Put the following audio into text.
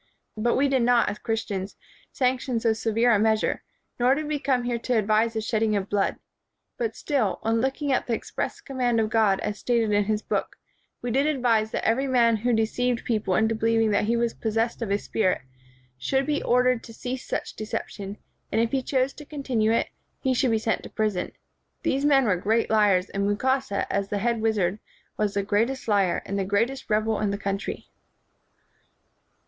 But we did not as Christians sanction so se vere a measure, nor did we come here to ad vise the shedding of blood ; but still, on look ing at the express command of God as stated in his Book, we did advise that every man who deceived people into believing that he was possessed of a spirit should be ordered 120 KING AND WIZARD to cease such deception, and if he chose to continue it, he should be sent to prison. These men were great liars, and Mukasa, as the head wizard, was the greatest liar, and the greatest rebel in the country.